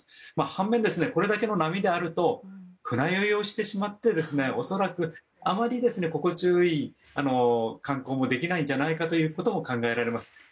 反面、これだけの波であると船酔いをしてしまって恐らくはあまり心地よい観光もできないんじゃないかということも考えられます。